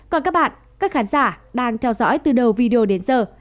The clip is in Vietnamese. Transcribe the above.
còn các bạn các khán giả đang theo dõi từ đầu video đến giờ